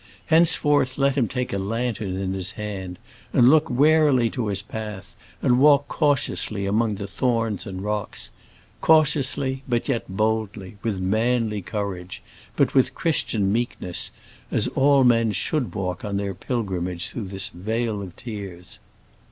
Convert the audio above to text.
Henceforth let him take a lantern in his hand, and look warily to his path, and walk cautiously among the thorns and rocks, cautiously, but yet boldly, with manly courage, but Christian meekness, as all men should walk on their pilgrimage through this vale of tears."